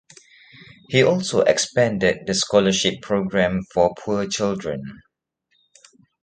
He also expanded the scholarship program for poor children.